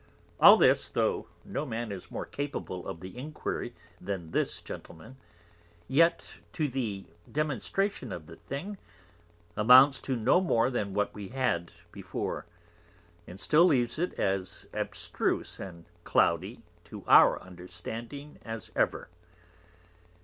All this, though no Man is more capable of the Enquiry than this Gentleman, yet to the Demonstration of the thing, amounts to no more than what we had before, and still leaves it as Abstruse and Cloudy to our Understanding as ever.